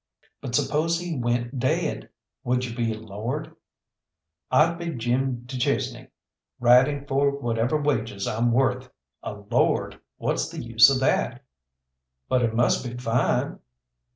"But suppose he went daid, would you be a lord?" "I'd be Jim du Chesnay, riding for whatever wages I'm worth. A lord! what's the use of that?" "But it must be fine!"